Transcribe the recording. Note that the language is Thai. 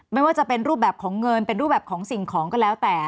ไม่ว่าจะเป็นรูปแบบของเงินเป็นรูปแบบของสิ่งของก็แล้วแต่